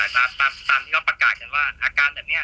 ตามที่เราประกาศกันว่าอาการแบบนี้